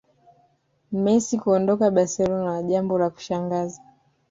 Messi kuondoka barcelona jambo la kushangaza